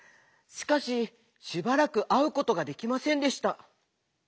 しかししばらくあうことができませんでした。